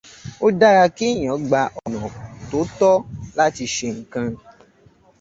Ó dára kí èèyàn gba ọ̀nà tótọ́ láti ṣe nǹkan.